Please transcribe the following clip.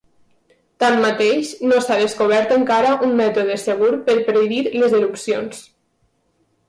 Tanmateix, no s'ha descobert encara un mètode segur per predir les erupcions.